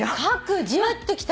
じわっときた。